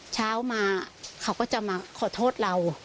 เช้ามาเขาก็จะมาขอโทษเรา